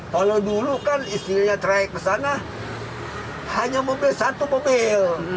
kalau dulu kan istrinya trayek ke sana hanya mobil satu mobil